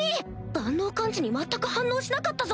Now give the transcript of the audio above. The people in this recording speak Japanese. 万能感知に全く反応しなかったぞ！